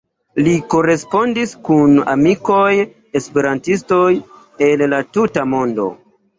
Li korespondis kun amikoj-esperantistoj el la tuta mondo.